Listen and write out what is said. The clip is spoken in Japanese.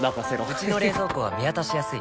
うちの冷蔵庫は見渡しやすい